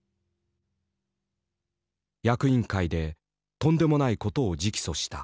役員会でとんでもないことを直訴した。